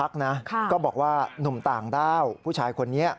ก็บอกว่าหนุ่มต่างด้าวผู้ชายคนนี้